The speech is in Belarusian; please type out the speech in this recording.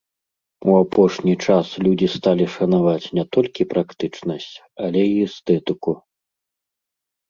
У апошні час людзі сталі шанаваць не толькі практычнасць, але і эстэтыку.